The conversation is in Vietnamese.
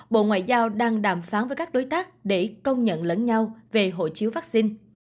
bộ ngoại giao đang đàm phán với các đối tác để công nhận lẫn nhau về hộ chiếu vaccine